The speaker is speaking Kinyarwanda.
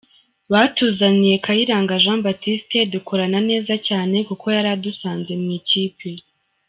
Batuzaniye Kayiranga Jean Baptiste dukorana neza cyane kuko yari adusanze mu ikipe.